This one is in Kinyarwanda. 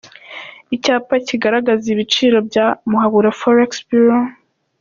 Icyapa kigaragaza ibiciro bya Muhabura forex bureau.